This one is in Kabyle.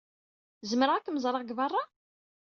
Zemreɣ ad kem-ẓreɣ deg beṛṛa?